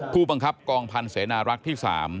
ผู้บังคับกองพันธ์เสนารักษ์ที่๓